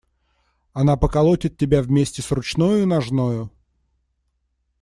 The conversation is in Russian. Она поколотит тебя вместе с ручною и ножною.